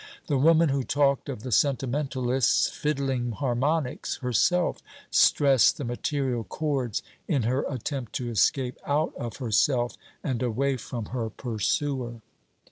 The woman who talked of the sentimentalist's 'fiddling harmonics,' herself stressed the material chords, in her attempt to escape out of herself and away from her pursuer.